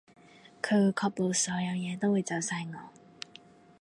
佢會確保所有嘢都會就晒我